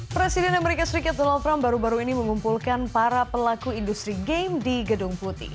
presiden amerika serikat donald trump baru baru ini mengumpulkan para pelaku industri game di gedung putih